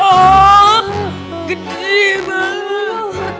pak citi mau bu beres dulu